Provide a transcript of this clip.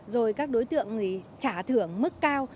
rồi các đối tượng trả thưởng mức cao